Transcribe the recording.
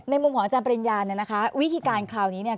มุมของอาจารย์ปริญญาเนี่ยนะคะวิธีการคราวนี้เนี่ย